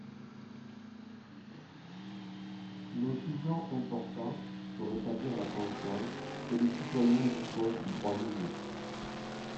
Nous jugeons important, pour rétablir la confiance, que les citoyens disposent de droits nouveaux.